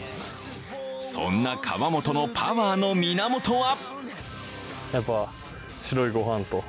そんな河本のパワーの源は？